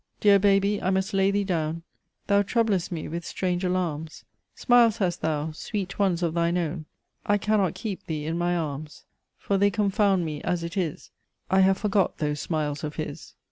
Dear Baby! I must lay thee down: Thou troublest me with strange alarms; Smiles hast thou, sweet ones of thine own; I cannot keep thee in my arms; For they confound me: as it is, I have forgot those smiles of his!"